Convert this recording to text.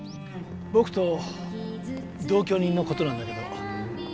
僕と同居人のことなんだけど。